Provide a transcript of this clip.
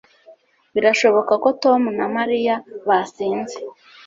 Birashoboka ko Tom na Mariya basinze